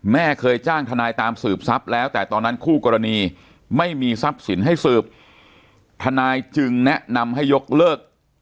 แม่เคยจ้างทนายตามสืบทรัพย์แล้วแต่ตอนนั้นคู่กรณีไม่มีทรัพย์สินให้สืบทนายจึงแนะนำให้ยกเลิก